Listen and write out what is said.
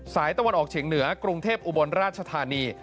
ตะวันออกเฉียงเหนือกรุงเทพอุบลราชธานี